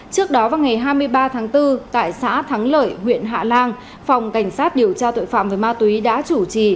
trước đó vào ngày hai mươi ba tháng bốn tại xã thắng lợi huyện hạ lan phòng cảnh sát điều tra tội phạm về ma túy đã chủ trì